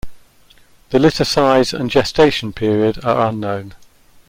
The litter size and gestation period are unknown.